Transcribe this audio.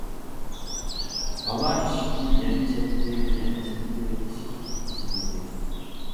بالا ئىشىكنى يەنە چەكتى. يەنە چەكتى. ئىشىك ئېچىلمىدى.